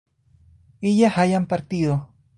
ellas hayan partido